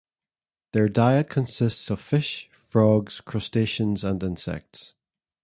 Their diet consists of fish, frogs, crustaceans and insects.